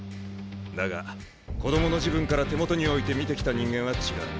だが子供の時分から手元に置いて見てきた人間は違う。